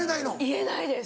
言えないです